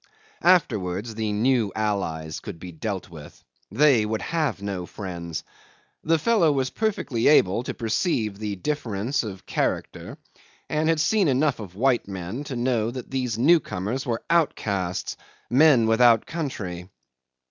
Afterwards the new allies could be dealt with. They would have no friends. The fellow was perfectly able to perceive the difference of character, and had seen enough of white men to know that these newcomers were outcasts, men without country.